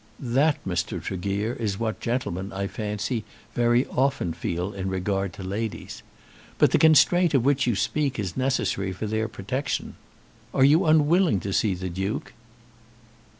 "That, Mr. Tregear, is what gentlemen, I fancy, very often feel in regard to ladies. But the constraint of which you speak is necessary for their protection. Are you unwilling to see the Duke?"